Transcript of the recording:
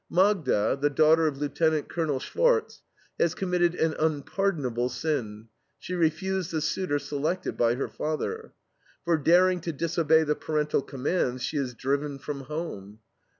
Magda, the daughter of Lieutenant Colonel Schwartz, has committed an unpardonable sin: she refused the suitor selected by her father. For daring to disobey the parental commands she is driven from home.